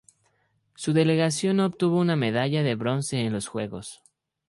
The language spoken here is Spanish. Su delegación obtuvo una medalla de bronce en los juegos.